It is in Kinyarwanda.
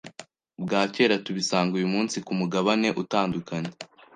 bwa kera tubisanga uyumunsi kumugabane utandukanye